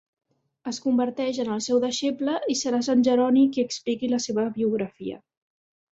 Es converteix en el seu deixeble i serà Sant Jeroni qui expliqui la seva biografia.